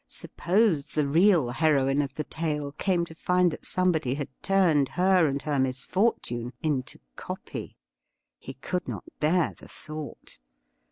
Suppose the real heroine of the tale came to find that somebody had turned her and her misfortune into 'copy.' He could not bear the thought.